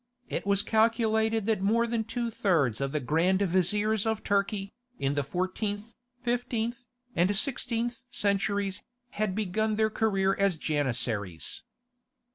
It was calculated that more than two thirds of the Grand Viziers of Turkey, in the fourteenth, fifteenth, and sixteenth centuries, had begun their career as Janissaries.